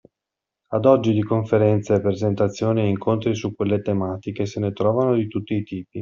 Ad oggi di conferenze, presentazioni e incontri su quelle tematiche se ne trovano di tutti i tipi.